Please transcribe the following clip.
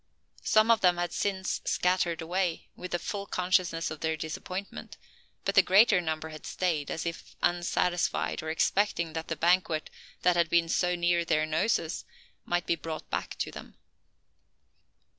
Some of them had since scattered away, with a full consciousness of their disappointment; but the greater number had stayed, as if unsatisfied, or expecting that the banquet that had been so near their noses might be brought back to them.